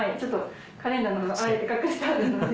カレンダーなどもああやって隠してあるので。